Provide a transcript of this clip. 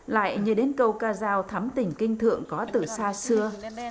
lại nhớ đến câu ca giao thắm tỉnh kinh thượng có từ xa xưa